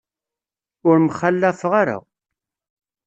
Ur mxallafeɣ ara.